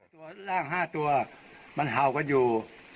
ที่ร่าง๕ตัวมันเผาพันอยู่